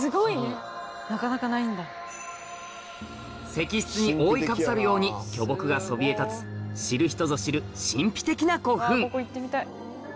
石室に覆いかぶさるように巨木がそびえ立つ知る人ぞ知る神秘的な古墳